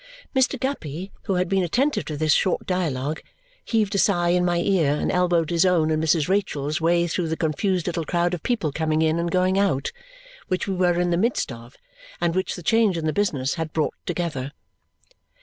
Mr. Guppy, who had been attentive to this short dialogue, heaved a sigh in my ear and elbowed his own and Mrs. Rachael's way through the confused little crowd of people coming in and going out, which we were in the midst of and which the change in the business had brought together.